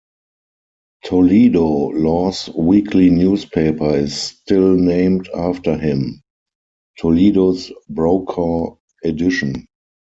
Toledo Law's weekly newspaper is still named after him: "Toledo's Brokaw Edition".